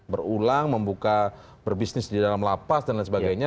berulang membuka berbisnis di dalam lapas dan lain sebagainya